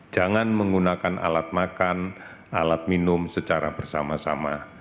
jangan menggunakan alat makan alat minum secara bersama sama